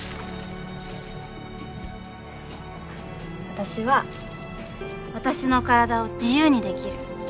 私は私の体を自由にできる。